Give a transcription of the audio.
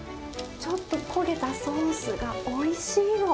ちょっと焦げたソースがおいしいの。